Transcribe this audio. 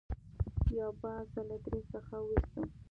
یو باز زه له درې څخه وویستم.